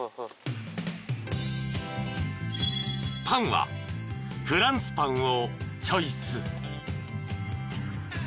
［パンはフランスパンをチョイス］